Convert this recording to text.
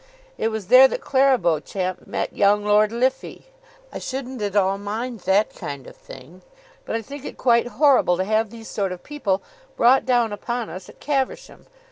It was there that Clara Beauchamp met young Lord Liffey. I shouldn't at all mind that kind of thing, but I think it quite horrible to have these sort of people brought down upon us at Caversham.